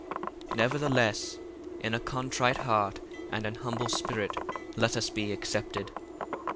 16 Nevertheless in a contrite heart and an humble spirit let us be accepted.